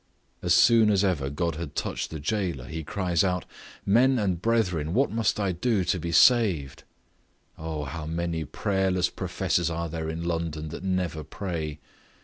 As soon as ever God had touched the jailor, he cries out, "Men and brethren, what must I do to be saved?" Oh! how many prayerless professors are there in London that never pray?